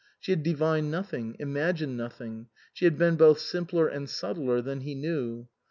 She had divined nothing, imagined no thing, she had been both simpler and subtler than he knew.